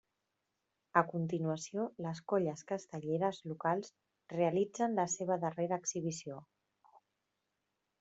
A continuació les colles castelleres locals realitzen la seva darrera exhibició.